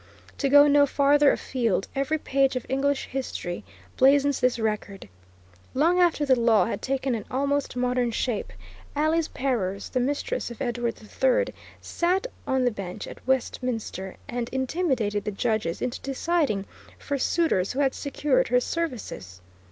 To go no farther afield, every page of English history blazons this record. Long after the law had taken an almost modern shape, Alice Perrers, the mistress of Edward III, sat on the bench at Westminster and intimidated the judges into deciding for suitors who had secured her services.